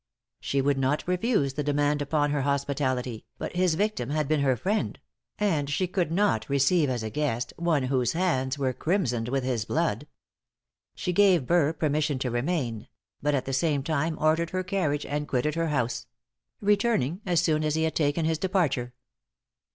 She would not refuse the demand upon her hospitality, but his victim had been her friend; and she could not receive as a guest, one whose hands were crimsoned with his blood. She gave Burr permission to remain; but at the same time ordered her carriage, and quitted her house; returning as soon as he had taken his departure.